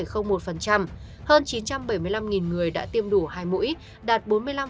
hơn chín trăm bảy mươi năm người đã tiêm đủ hai mũi đạt bốn mươi năm